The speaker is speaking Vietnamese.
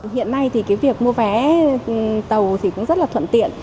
hiện nay thì việc mua vé tàu cũng rất là thuận tiện